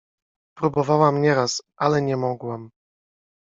— Próbowałam nieraz, ale nie mogłam.